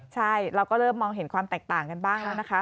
ใช่เราก็เริ่มมองเห็นความแตกต่างกันบ้างแล้วนะคะ